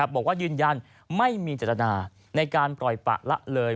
บอกว่ายืนยันไม่มีเจตนาในการปล่อยปะละเลย